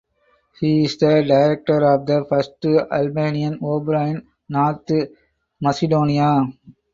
He is the director of the first Albanian opera in North Macedonia.